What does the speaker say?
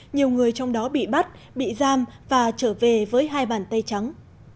nhiều người trong đó bị bắt bị giam và trở về với hai bàn tay trắng